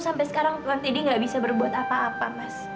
sampai sekarang bang teddy nggak bisa berbuat apa apa mas